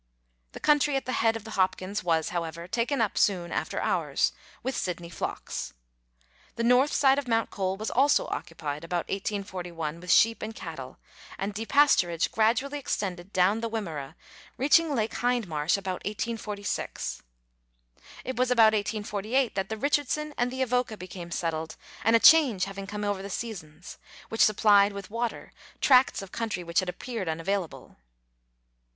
The country at the head of the Hopkins was, however, taken up soon after ours, with Sydney flocks. The north side of Mount Cole was also occupied about 1841 with sheep and cattle, and depasturage gradually extended down the Wimmera, reaching Lake Hindmarsh about 1846. It was about 1848 that the Rich ardson and the Avoca became settled, a change having come over the seasons, which supplied with water tracts of country which had appeared unavailable.